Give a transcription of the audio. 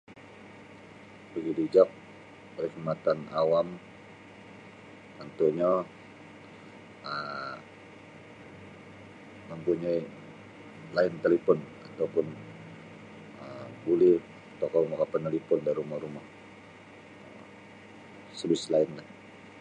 Bagi' dijok parkhidmatan awam tontu'yo um tontu'nyo line talipon atau pun buli tokou makapanalipon da rumo-rumo servis line lah.